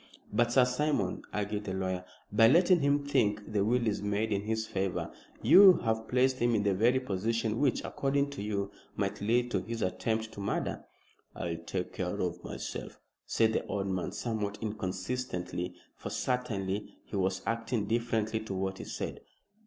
"But, Sir Simon," argued the lawyer, "by letting him think the will is made in his favor, you have placed him in the very position which, according to you, might lead to his attempt to murder." "I'll take care of myself," said the old man, somewhat inconsistently, for certainly he was acting differently to what he said.